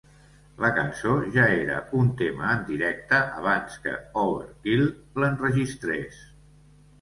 La cançó ja era una tema en directe abans que "Overkill" l'enregistrés.